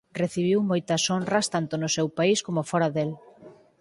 Recibiu moitas honras tanto no seu país como fóra del.